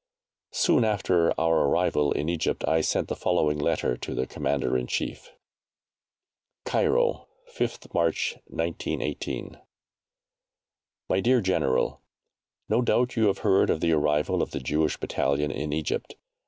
Soon after our arrival in Egypt I sent the following letter to the Commander in Chief: CAIRO, 5TH MARCH, 1918. MY DEAR GENERAL, No doubt you have heard of the arrival of the Jewish Battalion in Egypt.